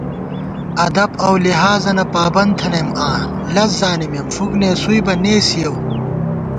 ادب اؤ لِحاظَنہ پابند تھنَئیم آں لَز زانِمېم ، فُک نېسُوئیبہ نېسِیَؤ